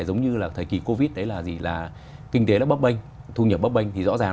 bấp bênh thu nhập bấp bênh thì rõ ràng